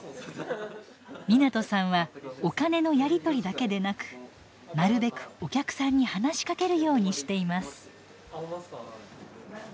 湊さんはお金のやり取りだけでなくなるべくお客さんに話しかけるようにしています。